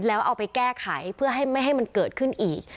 แล้วเอาไปแก้ไขเพื่อให้ไม่ให้มันเกิดขึ้นอีก